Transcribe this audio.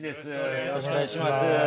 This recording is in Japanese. よろしくお願いします。